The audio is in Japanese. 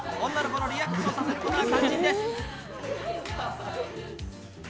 女の子をリラックスさせることが肝心です。